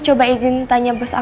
ya udahlah nanti aja